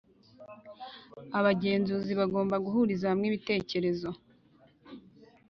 abagenzuzi bagomba guhuriza hamwe ibitekerezo